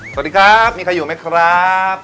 สวัสดีครับมีใครอยู่ไหมครับ